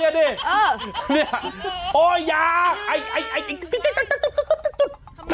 อยากเธอไปฟะ